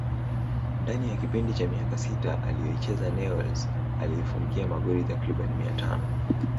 Ndani ya kipindi cha miaka sita aliyoichezea Newells aliifungia magoli takribani mia tano